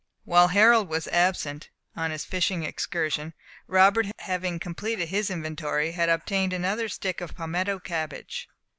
While Harold was absent on his fishing excursion, Robert, having completed his inventory, had obtained another stick of palmetto cabbage.